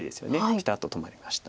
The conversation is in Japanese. ピタッと止まりました。